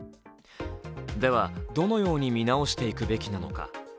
では、どのように見直していくべきなのか。